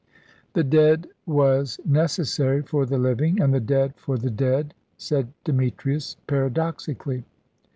"The dead was necessary for the living, and the dead for the dead," said Demetrius, paradoxically.